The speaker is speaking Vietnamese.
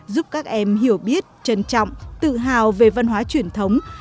giúp các em hiểu biết trân trọng tự hào về văn hóa truyền thống